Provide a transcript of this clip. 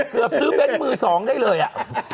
เกือบซื้อเบ้นมือสองได้เลยอ่ะ